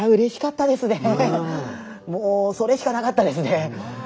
もうそれしかなかったですね。